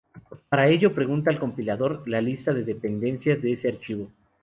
Para ello pregunta al compilador la lista de dependencias de ese archivo.